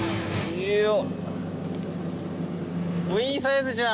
いいサイズじゃん！